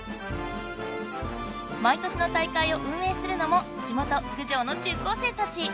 毎年の大会をうんえいするのも地元郡上の中高生たち。